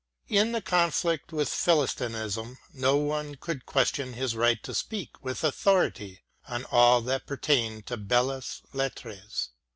In the conflict with Philistinism no one could question his right to speak with authority on all that pertained to Belles Lettres.